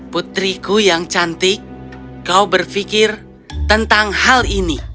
putriku yang cantik kau berpikir tentang hal ini